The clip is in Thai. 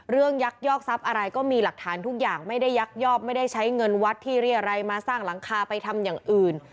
ยักยอกทรัพย์อะไรก็มีหลักฐานทุกอย่างไม่ได้ยักยอบไม่ได้ใช้เงินวัดที่เรียรัยมาสร้างหลังคาไปทำอย่างอื่น